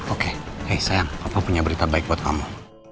oke hey sayang papa punya berita baik buat kamu